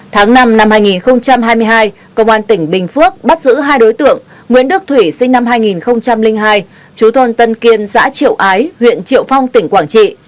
tháng năm năm hai nghìn hai mươi hai công an tỉnh bình phước bắt giữ hai đối tượng nguyễn đức thủy sinh năm hai nghìn hai chú thôn tân kiên xã triệu ái huyện triệu phong tỉnh quảng trị